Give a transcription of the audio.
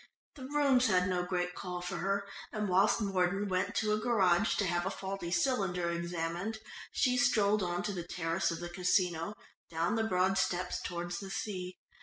The Rooms had no great call for her, and whilst Mordon went to a garage to have a faulty cylinder examined, she strolled on to the terrace of the Casino, down the broad steps towards the sea.